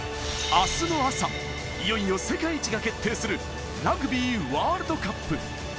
あすの朝、いよいよ世界一が決定するラグビーワールドカップ。